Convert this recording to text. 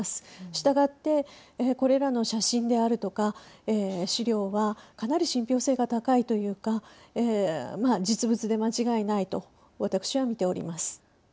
従って、これらの写真であるとか資料は、かなり信ぴょう性が高いというか実物で間違いないと私は見ております。